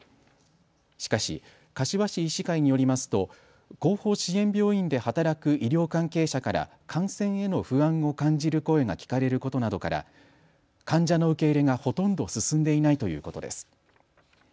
しかし、柏市医師会によりますと後方支援病院で働く医療関係者から感染への不安を感じる声が聞かれることなどから患者の受け入れがほとんど進んでいないということです。